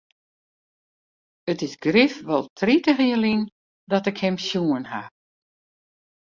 It is grif wol tritich jier lyn dat ik him sjoen ha.